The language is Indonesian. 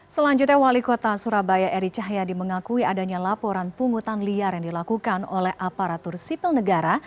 selanjutnya wali kota surabaya eri cahyadi mengakui adanya laporan pungutan liar yang dilakukan oleh aparatur sipil negara